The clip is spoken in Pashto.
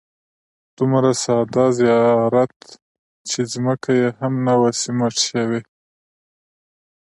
دومره ساده زیارت چې ځمکه یې هم نه وه سیمټ شوې.